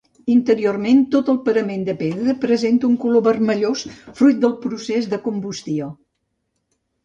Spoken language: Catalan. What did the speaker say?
Interiorment, tot el parament de pedra presenta un color vermellós, fruit del procés de combustió.